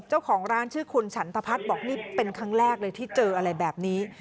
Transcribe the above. เจ้าของร้านชื่อคุณฉันทพัฒน์บอกนี่เป็นครั้งแรกเลยที่เจออะไรแบบนี้